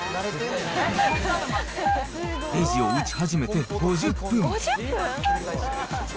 レジを打ち始めて５０分。